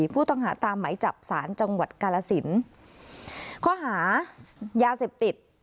ผู้ต้องหาตามไหมจับศาลจังหวัดกาลสินข้อหายาเสพติด